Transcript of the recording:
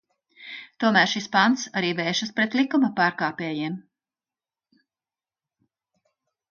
Tomēr šis pants arī vēršas pret likuma pārkāpējiem.